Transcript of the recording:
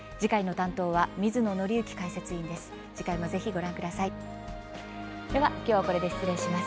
担当は水野倫之解説委員です。